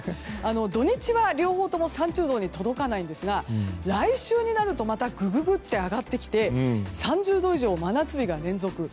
土日は両方とも３０度に届かないんですが来週になるとググっと上がってきて３０度以上の真夏日が連続。